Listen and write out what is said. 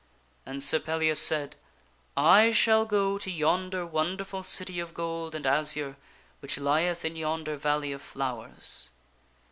* And Sir Pellias said, " I shall go to yonder wonderful city of gold and azure which lieth in yonder valley of flowers."